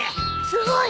すごい！